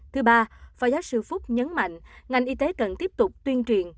thứ ba phó giáo sư phúc nhấn mạnh ngành y tế cần tiếp tục tuyên truyền